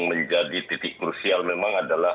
menjadi titik krusial memang adalah